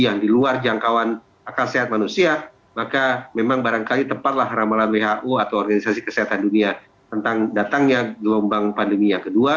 yang di luar jangkauan akal sehat manusia maka memang barangkali tepatlah ramalan who atau organisasi kesehatan dunia tentang datangnya gelombang pandemi yang kedua